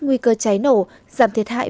nguy cơ cháy nổ giảm thiệt hại